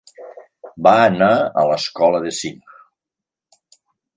Va anar a l'escola de Sinj.